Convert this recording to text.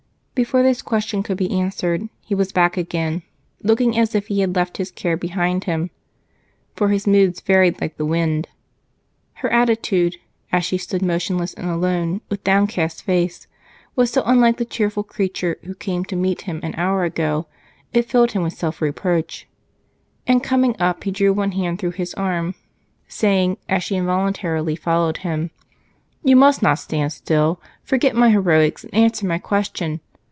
Before this question could be answered, he was back again, looking as if he had left his care behind him, for his moods varied like the wind. Her attitude, as she stood motionless and alone with downcast face, was so unlike the cheerful creature who came to meet him an hour ago, it filled him with self reproach, and, coming up, he drew one hand through his arm, saying, as she involuntarily followed him, "You must not stand still. Forget my heroics and answer my question.